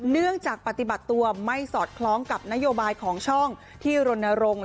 เนื่องจากปฏิบัติตัวไม่สอดคล้องกับนโยบายของช่องที่รณรงค์